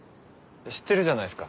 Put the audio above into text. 知ってるじゃないっすか。